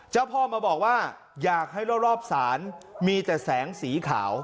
เจ้าพ่อมาบอกว่าอยากให้รอบศาลมีแต่แสงสีขาว